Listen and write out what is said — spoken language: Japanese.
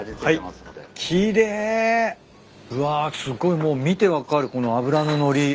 もう見て分かるこの脂の乗り。